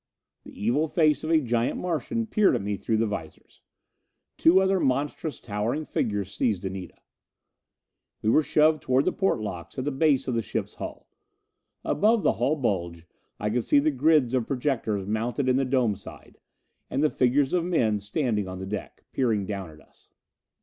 The evil face of a giant Martian peered at me through the visors. Two other monstrous, towering figures seized Anita. We were shoved toward the port locks at the base of the ship's hull. Above the hull bulge I could see the grids of projectors mounted in the dome side, and the figures of men standing on the deck, peering down at us.